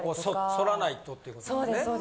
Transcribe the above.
反らないとっていうことですね。